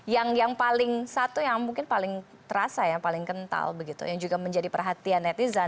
yang paling satu yang mungkin paling terasa yang paling kental begitu yang juga menjadi perhatian netizen